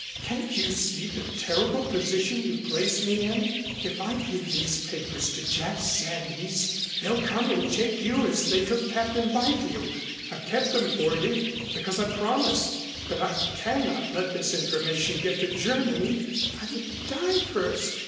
Can't you see the terrible position you've placed me in? If I give these papers to Jack Sandys they'll come and take you as they took Captain Byfield. I've kept them for you, because I promised. But I cannot let this information get to Germany. I would die first.